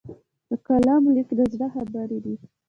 د قلم لیک د زړه خبرې دي.